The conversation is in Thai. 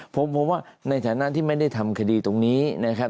ผมว่าในฐานะที่ไม่ได้ทำคดีตรงนี้นะครับ